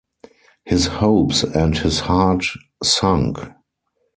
His hopes and his heart sunk.